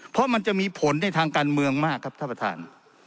เพราะมันจะมีผลในทางการเมืองมากครับท่านประธาน